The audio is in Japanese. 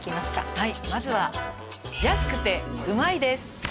はいまずは安くて旨いです